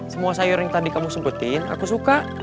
semua sayur yang tadi kamu sebutin aku suka